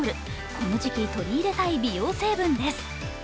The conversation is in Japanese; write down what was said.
この時期取り入れたい美容成分です。